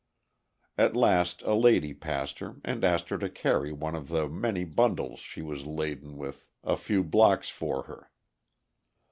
At last a lady passed her and asked her to carry one of the many bundles she was laden with a few blocks for her.